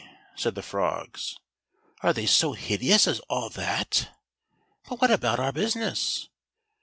said the frogs; "are they so hideous as all that. * But what about our business.'